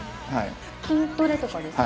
筋トレとかですか？